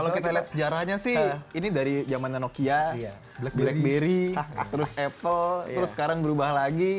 kalau kita lihat sejarahnya sih ini dari zaman nokia blackberry terus apple terus sekarang berubah lagi